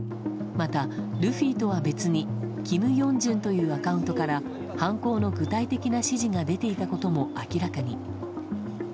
また、ルフィとは別にキム・ヨンジュンというアカウントから犯行の具体的な指示が出ていたことも明らかに。